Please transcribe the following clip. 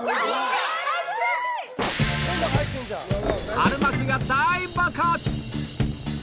春巻きが大爆発！